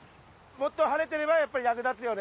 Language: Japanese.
もっと晴れてればやっぱり役立つよね